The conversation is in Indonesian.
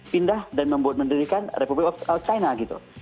pindah dan membuat mendirikan republik of china gitu